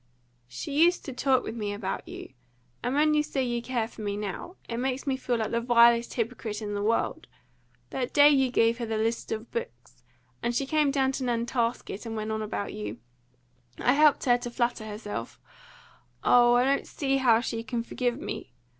"She used to talk with me about you; and when you say you care for me now, it makes me feel like the vilest hypocrite in the world. That day you gave her the list of books, and she came down to Nantasket, and went on about you, I helped her to flatter herself oh! I don't see how she can forgive me.